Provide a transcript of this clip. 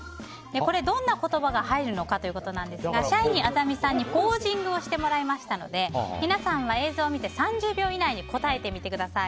これ、どんな言葉が入るのかということですがシャイニー薊さんにポージングをしてもらいましたので皆さんは映像を見て３０秒以内に答えてみてください。